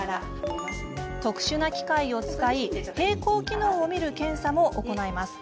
特殊な機械を使い平衡機能を見る検査も行います。